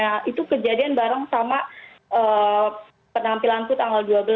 nah itu kejadian bareng sama penampilanku tanggal dua belas